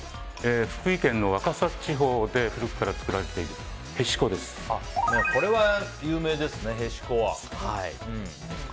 福井県若狭地方で古くから作られているこれは有名ですね、へしこは。